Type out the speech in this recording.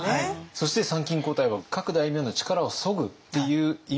そして参勤交代は各大名の力をそぐっていう意味合いもあったんですか？